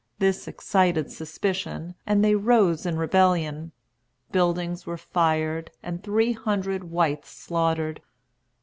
This excited suspicion, and they rose in rebellion. Buildings were fired, and three hundred whites slaughtered.